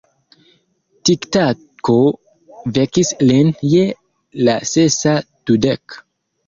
Tiktako vekis lin je la sesa dudek.